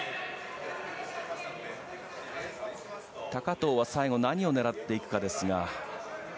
高藤は最後何を狙っていくかですが。